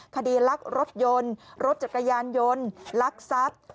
คดีลักษณ์รถยนต์รถจัดกายันยนต์ลักษัตริย์